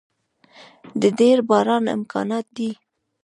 د ډیر باران امکانات دی